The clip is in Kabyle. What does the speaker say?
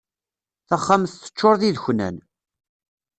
Taxxamt teččur d ideknan.